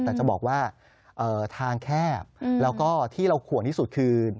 แต่จะบอกว่าทางแคบแล้วก็ที่เราห่วงที่สุดคือ